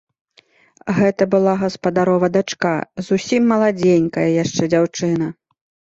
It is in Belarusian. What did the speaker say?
Гэта была гаспадарова дачка, зусім маладзенькая яшчэ дзяўчына.